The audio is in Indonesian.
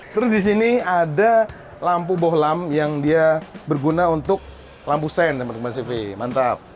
terus disini ada lampu bohlam yang dia berguna untuk lampu sen